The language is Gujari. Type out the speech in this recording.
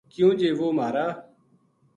کیوں جی وہ مہارا